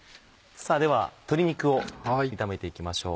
では鶏肉を炒めていきましょう。